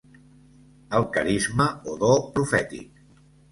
El carisma o do profètic.